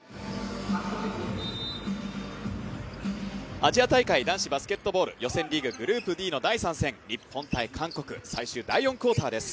アジア大会男子バスケットボール、予選リーグ、グループＤの第３戦、日本×韓国、最終第４クオーターです。